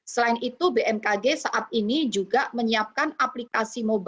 selain itu bmkg saat ini juga menyiapkan aplikasi mobile